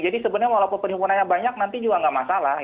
jadi sebenarnya walaupun penyimpunannya banyak nanti juga akan diberikan